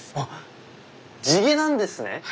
地毛なんですね！